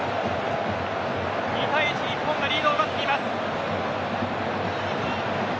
２対１で日本がリードを奪っています。